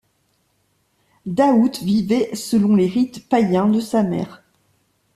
Dahut vivait selon les rites païens de sa mère.